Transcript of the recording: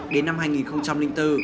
đến năm hai nghìn bốn